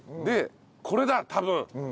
でこれだ多分。